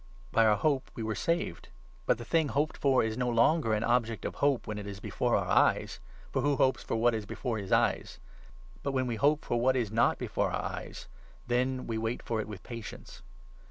By 24 our hope we were saved. But the thing hoped for is no longer an object of hope when it is before our eyes ; for who hopes for what is before his eyes ?. But, when we hope for what is not 25 before our eyes, then we wait for it with patience.